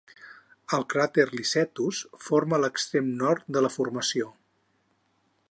El cràter Licetus forma l'extrem nord de la formació.